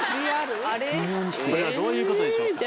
これはどういうことでしょうか？